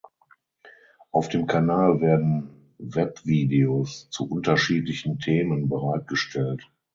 Auf dem Kanal werden Webvideos zu unterschiedlichen Themen bereitgestellt.